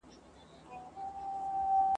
ښځه که ښه وي او که بده د وهلو اړتيا نلري